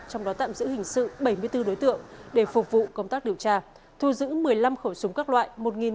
trong đó tạm giữ hình sự bảy mươi bốn đối tượng để phục vụ công tác điều tra thu giữ một mươi năm khẩu súng các loại